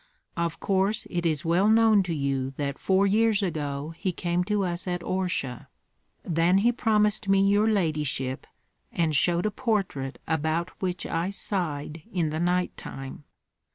Of course it is well known to you that four years ago he came to us at Orsha. Then he promised me your ladyship, and showed a portrait about which I sighed in the night time.